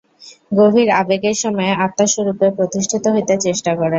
গভীর আবেগের সময়ে আত্মা স্বরূপে প্রতিষ্ঠিত হইতে চেষ্টা করে।